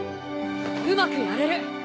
うまくやれる！